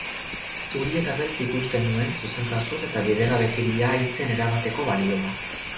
Zuri eta beltz ikusten nuen zuzentasun eta bidegabekeria hitzen erabateko balioa.